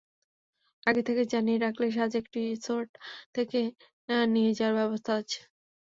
আগে থেকে জানিয়ে রাখলে, সাজেক রিসোর্ট থেকে নিয়ে যাওয়ার ব্যবস্থা আছে।